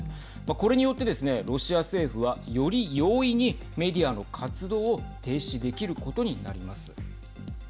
これによってですねロシア政府は、より容易にメディアの活動を停止できることになります。